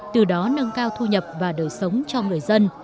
từ đó nâng cao thu nhập và đời sống cho người dân